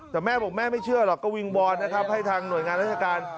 แต่แม่บอกแม่ไม่เชื่อหรอกก็วิงวอนนะครับให้ทางหน่วยงานราชการ